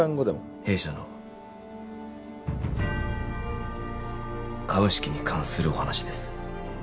弊社の株式に関するお話です